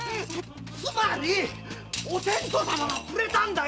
つまり！お天道様がくれたんだよ！